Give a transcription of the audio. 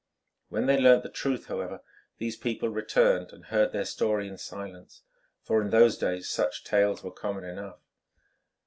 When they learnt the truth, however, these people returned and heard their story in silence, for in those days such tales were common enough.